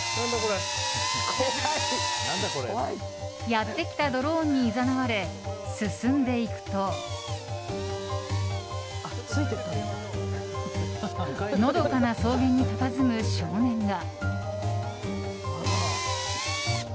やってきたドローンにいざなわれ、進んでいくとのどかな草原にたたずむ少年が。